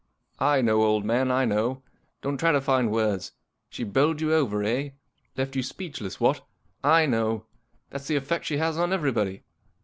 " I know, old man, I know, Don't try to find words. She bowled you over, eh ? Left you speechless, what ?/ know I That's the effect she has on everybody.